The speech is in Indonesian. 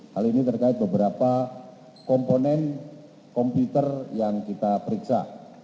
hal ini terkait beberapa komponen komputer yang kita periksa